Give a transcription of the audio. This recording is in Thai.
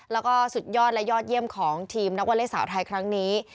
แล้วก็สุดยอดและยอดเยี่ยมของทีมนักวอเล็กสาวไทยครั้งนี้